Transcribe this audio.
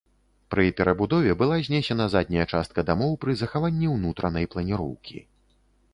Пры перабудове была знесена задняя частка дамоў пры захаванні ўнутранай планіроўкі.